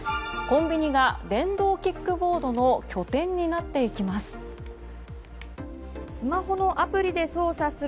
コンビニが電動キックボードの拠点になっていきます。